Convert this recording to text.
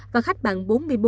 và khách bằng bốn mươi bốn